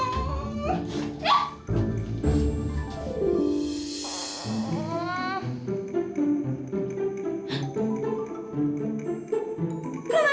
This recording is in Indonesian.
kayaknya rupanya ga seperti hujan